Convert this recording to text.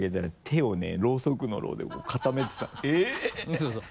そうそう。